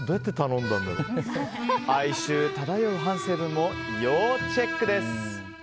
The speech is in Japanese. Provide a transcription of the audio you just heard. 哀愁漂う反省文も要チェックです。